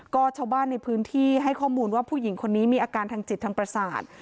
ก็ชาวบ้านในพื้นที่ให้ข้อมูลว่าผู้หญิงคนนี้มีอาการทางจิตทางประสาท